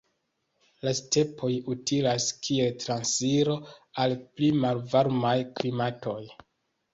La stepoj utilas kiel transiro al pli malvarmaj klimatoj.